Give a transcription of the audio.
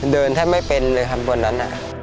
เดินแทบไม่เป็นเลยครับบนนั้น